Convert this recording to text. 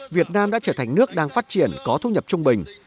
việt nam đã trở thành nước đang phát triển có thu nhập trung bình